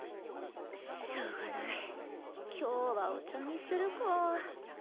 しょうがない今日はお茶にするか。